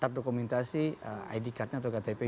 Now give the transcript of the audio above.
tadu dokumentasi id cardnya atau ktpnya